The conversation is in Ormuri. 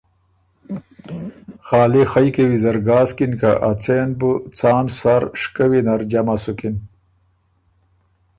خالی خئ کی ویزر ګاسکِن که ا څېن بُو څان سر شکوّی نر جمع سُکِن